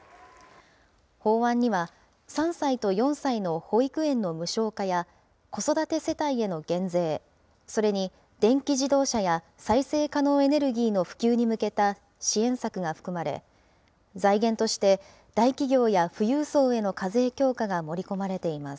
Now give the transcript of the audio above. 法案には３歳と４歳の保育園の無償化や、子育て世帯への減税、それに、電気自動車や再生可能エネルギーの普及に向けた支援策が含まれ、財源として大企業や富裕層への課税強化が盛り込まれています。